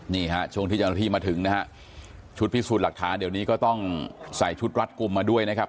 นี่ฮะช่วงที่เจ้าหน้าที่มาถึงนะฮะชุดพิสูจน์หลักฐานเดี๋ยวนี้ก็ต้องใส่ชุดรัดกลุ่มมาด้วยนะครับ